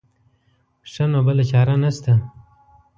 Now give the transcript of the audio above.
ښه نو بله چاره نه شته.